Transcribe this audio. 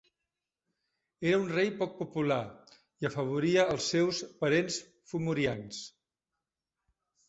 Era un rei poc popular i afavoria els seus parents fomorians.